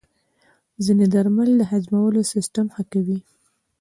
ځینې درمل د هضمولو سیستم ښه کوي.